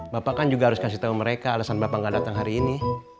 bapak kan juga harus kasih tahu mereka alasan bapak nggak datang hari ini